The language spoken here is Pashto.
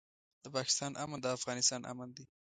د پاکستان امن د افغانستان امن دی.